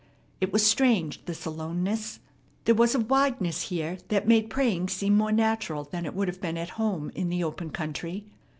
It was strange, this aloneness. There was a wideness here that made praying seem more natural than it would have been at home in the open country.